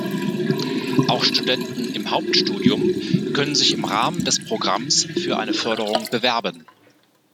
Auch Studenten im Hauptstudium können sich im Rahmen des Programms für eine Förderung bewerben.